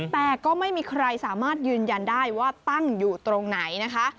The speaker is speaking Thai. แต่ก็ไม่มีใครสามารถยืนยันได้ว่าตั้งอยู่ตรงไหนนะคะ